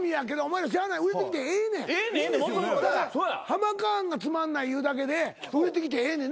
ハマカーンがつまんない言うだけで売れてきてええねんな。